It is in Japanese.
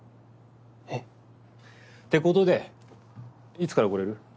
えっ？ってことでいつから来れる？